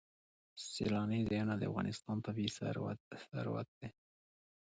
سیلانی ځایونه د افغانستان طبعي ثروت دی.